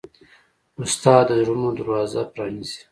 استاد د زړونو دروازه پرانیزي.